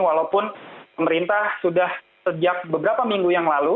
walaupun pemerintah sudah sejak beberapa minggu yang lalu